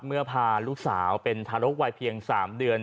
พาลูกสาวเป็นทารกวัยเพียง๓เดือน